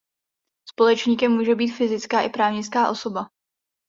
Společníkem může být fyzická i právnická osoba.